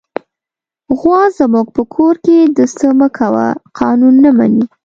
غوا زموږ په کور کې د "څه مه کوه" قانون نه مني.